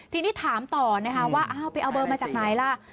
ที่นี่ถามต่อว่าไปเอาเบอร์มาจากไหนล่ะ